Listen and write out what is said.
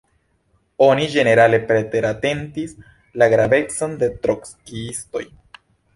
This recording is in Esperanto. Oni ĝenerale preteratentis la gravecon de trockiistoj.